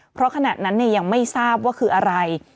เพราะขณะนั้นยังไม่ทราบว่าคืออะไร